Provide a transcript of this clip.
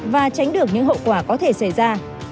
và tránh được những hậu quả có thể xảy ra